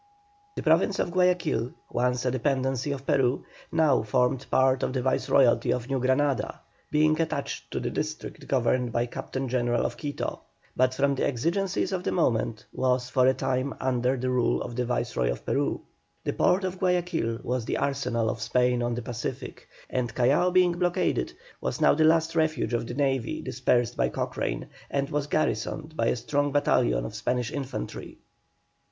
The province of Guayaquil, once a dependency of Peru, now formed part of the Viceroyalty of New Granada, being attached to the district governed by the Captain General of Quito, but from the exigencies of the moment was for a time again under the rule of the Viceroy of Peru. The port of Guayaquil was the arsenal of Spain on the Pacific, and, Callao being blockaded, was now the last refuge of the navy dispersed by Cochrane, and was garrisoned by a strong battalion of Spanish infantry.